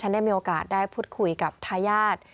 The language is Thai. ได้มีโอกาสได้พูดคุยกับทายาท